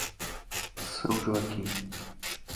São Joaquim